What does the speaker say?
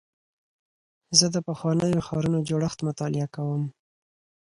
زه د پخوانیو ښارونو جوړښت مطالعه کوم.